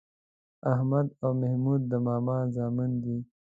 احمد او محمود د ماما زامن دي